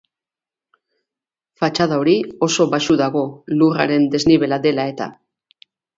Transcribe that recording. Fatxada hori oso baxu dago, lurraren desnibela dela eta.